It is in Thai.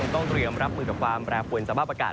ต้องเตรียมรับคุณกับแปรผลไฟ่ประกาศ